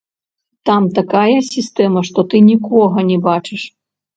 Там такая сістэма, што ты нікога не бачыш.